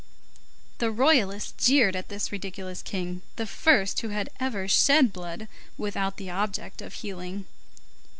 The Royalists jeered at this ridiculous king, the first who had ever shed blood with the object of healing.